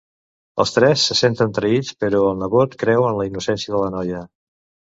Els tres se senten traïts però el nebot creu en la innocència de la noia.